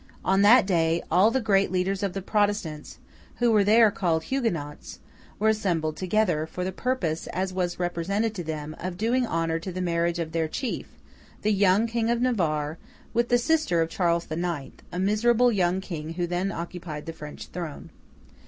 On that day all the great leaders of the Protestants (who were there called Huguenots) were assembled together, for the purpose, as was represented to them, of doing honour to the marriage of their chief, the young King of Navarre, with the sister of Charles the Ninth: a miserable young King who then occupied the French throne.